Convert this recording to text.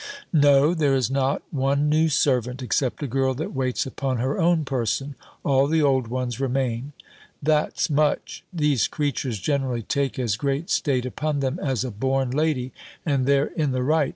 "No, there is not one new servant, except a girl that waits upon her own person: all the old ones remain." "That's much! These creatures generally take as great state upon them as a born lady; and they're in the right.